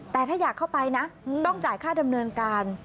แต่ถ้าอยากเข้าไปนะต้องจ่ายค่าดำเนินการ